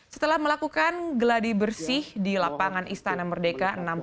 setelah melakukan geladi bersih di lapangan istana merdeka